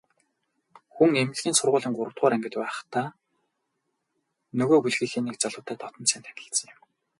Хүн эмнэлгийн сургуулийн гуравдугаар ангид байхдаа нөгөө бүлгийнхээ нэг залуутай дотно сайн танилцсан юм.